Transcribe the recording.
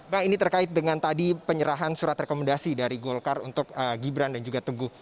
bang ini terkait dengan tadi penyerahan surat rekomendasi dari golkar untuk gibran dan juga teguh